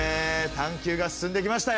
探究が進んできましたよ。